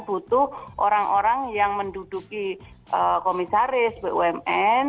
butuh orang orang yang menduduki komisaris bumn